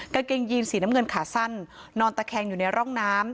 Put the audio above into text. กางเกงยีนสีน้ำเงินขาสั้นนอนตะแคงอยู่ในร่องน้ำ